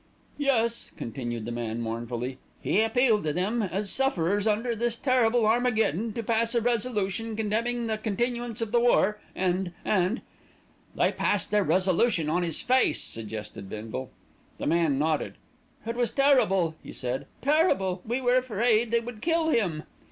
"Yes," continued the man mournfully; "he appealed to them, as sufferers under this terrible armageddon, to pass a resolution condemning the continuance of the war, and and " "They passed their resolution on 'is face," suggested Bindle. The man nodded. "It was terrible," he said, "terrible; we were afraid they would kill him."